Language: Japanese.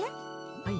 はい。